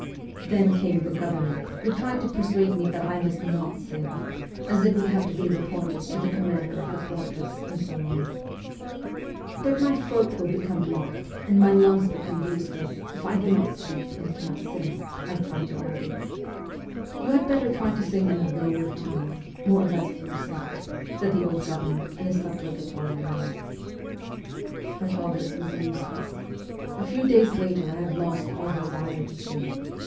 Then came the governor, who tried to persuade me that I must not sing, as it would have to be reported to the commander of the fortress, and so on. ' But my throat will become blocked and my lungs become useless if I do not speak and cannot sing,' I tried to argue. ' You had better try to sing in a lower tone, more or less to yourself,' said the old governor in a supplicatory manner. But all this was useless. A few days later I had lost all desire to sing.